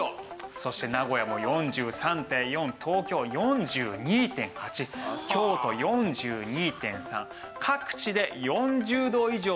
そして名古屋も４３．４東京４２．８京都４２．３。